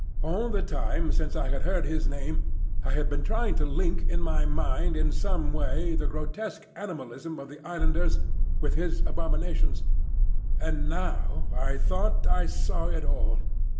All the time since I had heard his name, I had been trying to link in my mind in some way the grotesque animalism of the islanders with his abominations; and now I thought I saw it all.